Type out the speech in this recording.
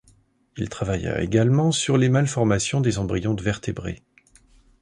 Il travailla également sur les malformations des embryons de vertébrés.